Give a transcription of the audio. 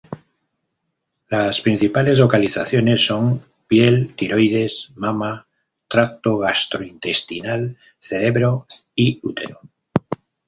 Las principales localizaciones son piel, tiroides, mama, tracto gastrointestinal, cerebro y útero.